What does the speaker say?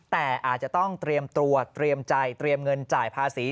แต่อาจจะต้องเตรียมตัวเตรียมใจเตรียมเงินจ่ายภาษี